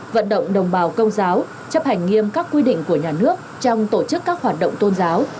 vận động đồng bào công giáo chấp hành nghiêm các quy định của nhà nước trong tổ chức các hoạt động tôn giáo